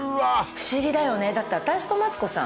不思議だよねだって私とマツコさん